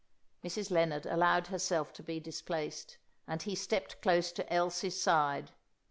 Mrs. Lennard allowed herself to be displaced, and he stepped close to Elsie's side.